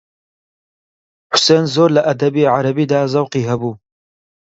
حوسێن زۆر لە ئەدەبی عەرەبیدا زەوقی هەبوو